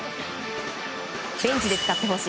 ベンチで使ってほしい。